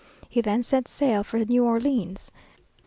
He then set sail for New Orleans.